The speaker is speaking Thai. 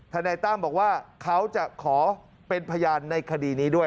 นายตั้มบอกว่าเขาจะขอเป็นพยานในคดีนี้ด้วย